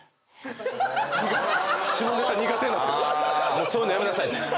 もうそういうのやめなさい。